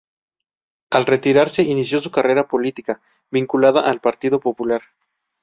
Al retirarse inició su carrera política, vinculada al Partido Popular.